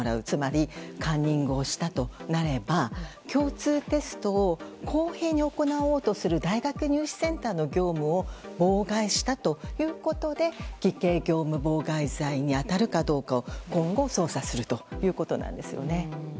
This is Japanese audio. つまりカンニングをしたとなれば共通テストを公平に行おうとする大学入試センターの業務を妨害したということで偽計業務妨害罪に当たるかどうかを今後捜査するということなんです。